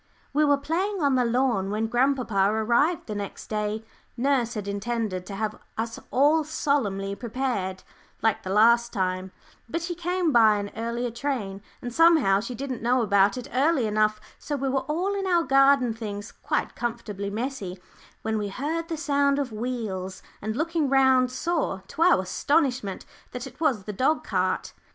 We were playing on the lawn when grandpapa arrived the next day. Nurse had intended to have us all solemnly prepared, like the last time, but he came by an earlier train, and somehow she didn't know about it early enough, so we were all in our garden things quite comfortably messy, when we heard the sound of wheels, and looking round, saw to our astonishment that it was the dog cart.